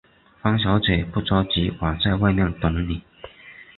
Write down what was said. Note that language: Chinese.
方小姐，不着急，我在外面等妳。